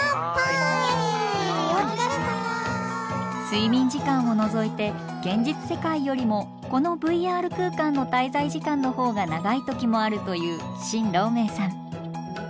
睡眠時間を除いて現実世界よりもこのＶＲ空間の滞在時間のほうが長い時もあるという清楼銘さん。